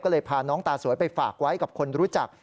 ก็เลยพาน้องตาสวยไปฝากไว้กับคนรู้จัก